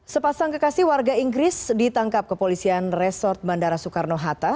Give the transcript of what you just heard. sepasang kekasih warga inggris ditangkap kepolisian resort bandara soekarno hatta